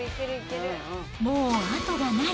もう後がない。